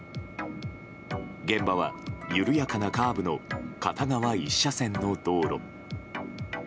現場は、緩やかなカーブの片側１車線の道路。